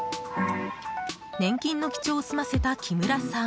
年金の記帳を済ませた木村さん。